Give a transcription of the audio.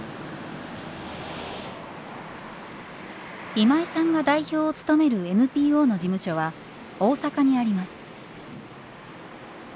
今井さんが代表を務めるＮＰＯの事務所は大阪にあります。